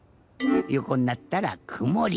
よこになったらくもり。